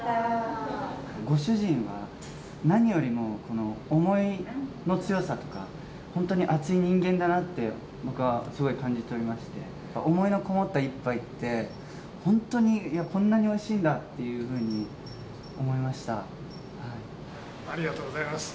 ご主人は何よりもこの想いの強さとか、本当に熱い人間だなって、僕はすごい感じ取りまして、想いの込もった一杯って、本当にこんなにおいしいんだって思いまありがとうございます。